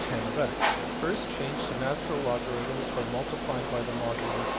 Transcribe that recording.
\end{DPalign*}} First change to natural logarithms by multiplying by the modulus $0.